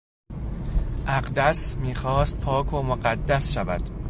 اقدس میخواست پاک و مقدس شود.